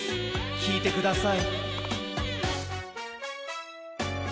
きいてください。